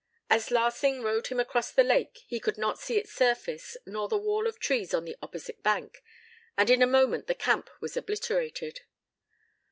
As Larsing rowed him across the lake he could not see its surface nor the wall of trees on the opposite bank, and in a moment the camp was obliterated.